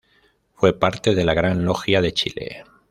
Fue parte de la Gran Logia de Chile.